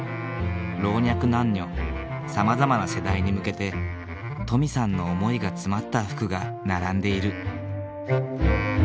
老若男女さまざまな世代に向けて登美さんの思いが詰まった服が並んでいる。